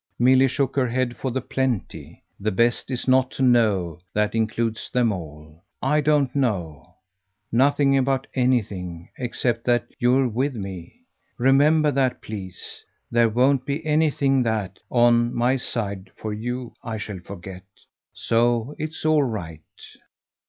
Milly shook her head for the "plenty." "The best is not to know that includes them all. I don't I don't know. Nothing about anything except that you're WITH me. Remember that, please. There won't be anything that, on my side, for you, I shall forget. So it's all right."